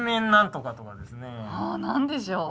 あ何でしょう。